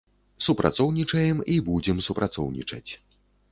Супрацоўнічаем і будзем супрацоўнічаць.